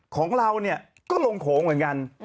ของเราก็ลงโขงเหมือนกัน